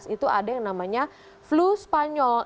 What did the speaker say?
itu ada yang namanya flu spanyol